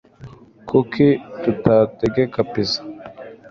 kuki tutategeka pizza